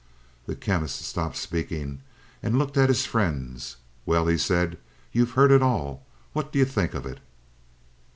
The Chemist stopped speaking, and looked at his friends. "Well," he said, "you've heard it all. What do you think of it?"